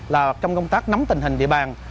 trong công tác nắm tình hình địa bàn